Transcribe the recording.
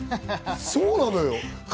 そうなのよ。